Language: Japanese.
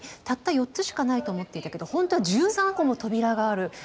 たった４つしかないと思っていたけど本当は１３個も扉がある。